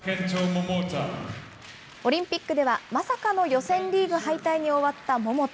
オリンピックではまさかの予選リーグ敗退に終わった桃田。